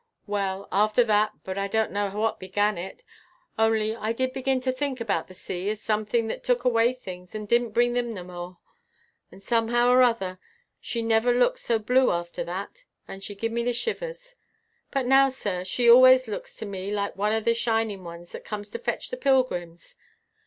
"Well, after that, but I don't know what began it, only I did begin to think about the sea as something that took away things and didn't bring them no more. And somehow or other she never look so blue after that, and she give me the shivers. But now, sir, she always looks to me like one o' the shining ones that come to fetch the pilgrims.